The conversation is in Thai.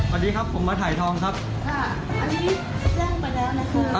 สวัสดีครับผมมาถ่ายทองครับค่ะอันนี้แจ้งไปแล้วนะคะ